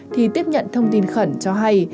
thì tiếp nhận thông tin khẩn cho hay